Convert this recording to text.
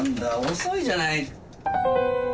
遅いじゃない。